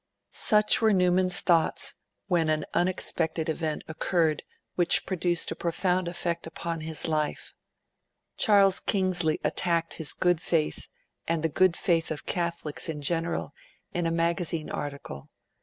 Such were Newman's thoughts when an unexpected event occurred which produced a profound effect upon his life: Charles Kingsley attacked his good faith, and the good faith of Catholics in general, in a magazine article.